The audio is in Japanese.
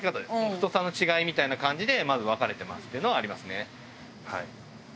太さの違いみたいな感じでまず分かれてますっていうのはありますねはい。